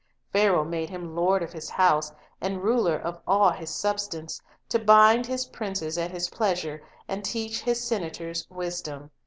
Pharaoh made him "lord of his house, and ruler of all his substance; to bind his princes at his pleasure, and teach his senators wisdom."